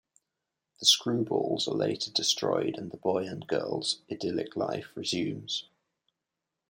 The Screwballs are later destroyed and the boy and girl's idyllic life resumes.